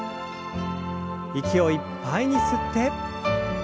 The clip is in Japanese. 息をいっぱいに吸って。